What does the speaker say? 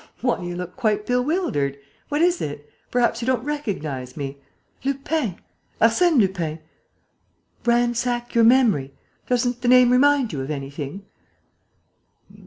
Why, you look quite bewildered! What is it? Perhaps you don't recognize me? Lupin.... Arsène Lupin.... Ransack your memory.... Doesn't the name remind you of anything?"